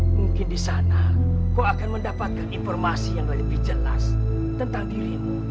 mungkin di sana kau akan mendapatkan informasi yang lebih jelas tentang dirimu